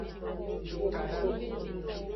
Je klo.